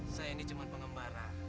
saya ini cuma pengembara